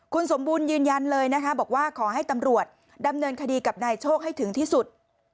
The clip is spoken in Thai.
คุณสมบูรณ์ยืนยันเลยนะคะบอกว่าขอให้ตำรวจดำเนินคดีกับนายโชคให้ถึงที่สุด